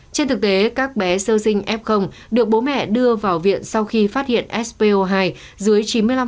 trên thực tế các bé sơ sinh f được bố mẹ đưa vào viện sau khi phát hiện spo hai dưới chín mươi năm